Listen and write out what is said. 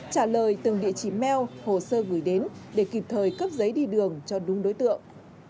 trả lời từng địa chỉ meo hồ sơ gửi đến để kịp thời cấp giấy đi đường cho đúng đối tượng